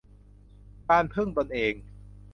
การพึ่งตนเอง